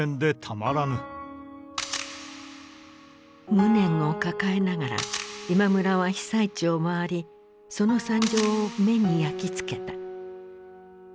無念を抱えながら今村は被災地を回りその惨状を目に焼き付けた。